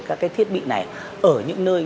các cái thiết bị này ở những nơi